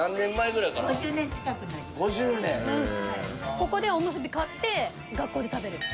ここでおむすび買って学校で食べる。